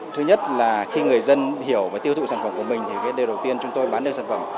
thứ nhất là khi người dân hiểu và tiêu thụ sản phẩm của mình thì điều đầu tiên chúng tôi bán được sản phẩm